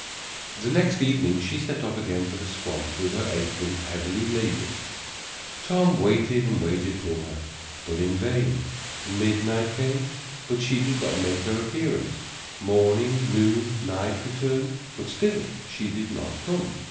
The next evening she set off again for the swamp, with her apron heavily laden. Tom waited and waited for her, but in vain; midnight came, but she did not make her appearance; morning, noon, night returned, but still she did not come.